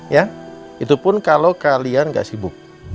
ya itu pun kalau kalian gak sibuk